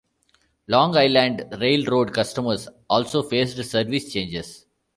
Long Island Rail Road customers also faced service changes.